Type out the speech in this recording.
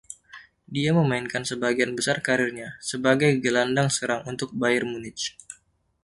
Dia memainkan sebagian besar kariernya sebagai gelandang serang untuk Bayern Munich.